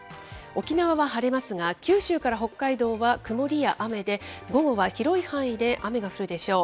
沖縄は晴れますが、九州から北海道は曇りや雨で、午後は広い範囲で雨が降るでしょう。